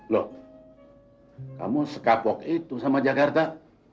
loh kamu sekapok itu sama jakarta